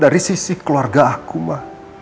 dari sisi keluarga aku mbak